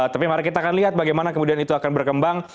tapi mari kita akan lihat bagaimana kemudian itu akan berkembang